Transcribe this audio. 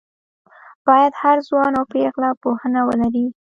باید هر ځوان او پېغله پوهنه ولري